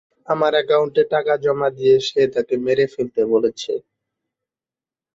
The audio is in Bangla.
আমার অ্যাকাউন্টে টাকা জমা দিয়ে সে তাকে মেরে ফেলতে বলেছে।